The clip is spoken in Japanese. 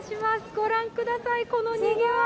御覧ください、このにぎわい。